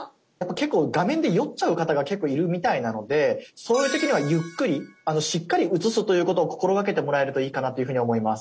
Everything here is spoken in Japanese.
画面で酔っちゃう方が結構いるみたいなのでそういう時にはゆっくりしっかり映すということを心がけてもらえるといいかなというふうに思います。